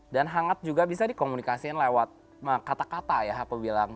dan hangat juga bisa dikomunikasikan lewat kata kata ya aku bilang